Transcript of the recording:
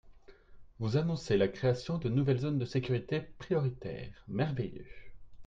Vous annoncez la création de nouvelles zones de sécurité prioritaire, merveilleux.